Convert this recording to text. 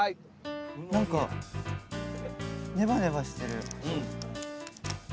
何かネバネバしてる。